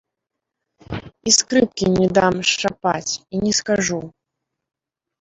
І скрыпкі не дам шчапаць, і не скажу!